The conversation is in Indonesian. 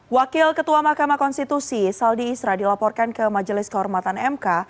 wakil ketua mahkamah konstitusi saldi isra dilaporkan ke majelis kehormatan mk